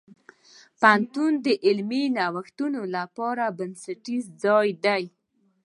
پوهنتون د علمي نوښتونو لپاره بنسټیز ځای دی.